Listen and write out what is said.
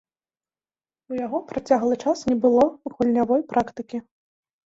У яго працяглы час не было гульнявой практыкі.